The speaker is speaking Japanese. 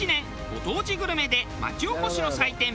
ご当地グルメでまちおこしの祭典！